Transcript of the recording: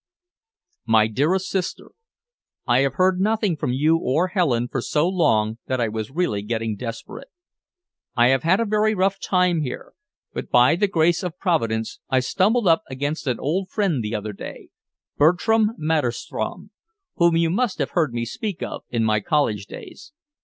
MY DEAREST SISTER, I have heard nothing from you or Helen for so long that I was really getting desperate. I have had a very rough time here, but by the grace of Providence I stumbled up against an old friend the other day, Bertram Maderstrom, whom you must have heard me speak of in my college days.